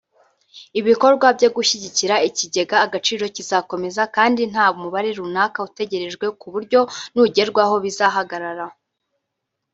Ibikorwa byo gushyigikira ikigega Agaciro kizakomeza kandi nta mubare runaka utegerejwe ku buryo nugerwaho bizahagarara